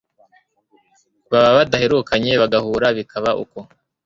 baba badaherukanye bagahura bikaba uko,